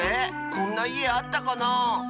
こんないえあったかなあ。